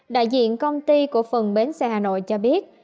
đại diện công ty cổ phần bến xe hà nội cho biết